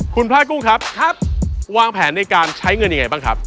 คุณพระกุ้งครับครับวางแผนในการใช้เงินยังไงบ้างครับ